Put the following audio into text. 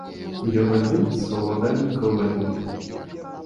Ён адзін з саўладальнікаў лэйбла.